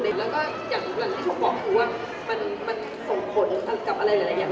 แล้วก็อย่างที่เขาบอกคือว่ามันส่งผลกับอะไรหลายอย่าง